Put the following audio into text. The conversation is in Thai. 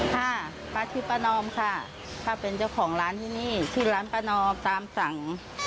ค่ะพระอาทิตย์ประนอมค่ะข้าเป็นเจ้าของร้านที่นี่ชื่อร้านประนอมตามสั่ง